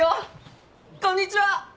こんにちは！